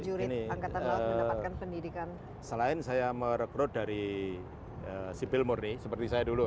jadi ini selain saya merekrut dari sipil murni seperti saya dulu sma